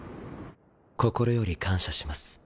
心より感謝します。